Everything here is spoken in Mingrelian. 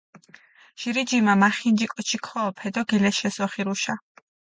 ჟირი ჯიმა მახინჯი კოჩი ქოჸოფე დო გილეშეს ოხირუშა.